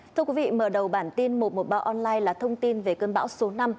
thưa quý vị mở đầu bản tin một trăm một mươi ba online là thông tin về cơn bão số năm